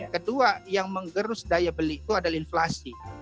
kedua yang menggerus daya beli itu adalah inflasi